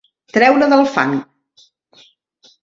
Treure del fang.